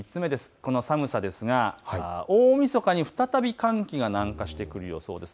この寒さですが大みそかに再び寒気が南下してくる予想です。